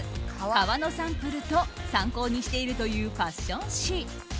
革のサンプルと参考にしているというファッション誌。